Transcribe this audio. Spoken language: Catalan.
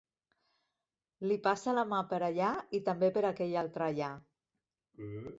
Li passa la mà per allà i també per aquell altre allà.